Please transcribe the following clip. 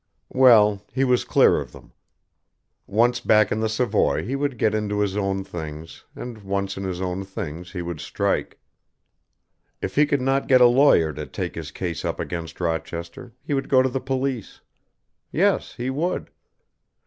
Well, he was clear of them. Once back in the Savoy he would get into his own things, and once in his own things he would strike. If he could not get a lawyer to take his case up against Rochester, he would go to the police. Yes, he would.